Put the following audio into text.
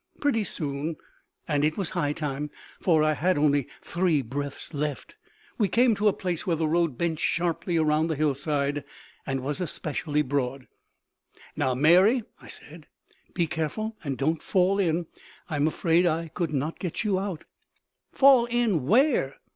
Pretty soon and it was high time, for I had only three breaths left we came to a place where the road bent sharply around the hillside and was especially broad. "Now, Mary," I said, "be careful and don't fall in. I'm afraid I could not get you out." "Fall in where?